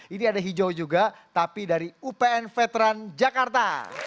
ini ada hijau juga tapi dari upn veteran jakarta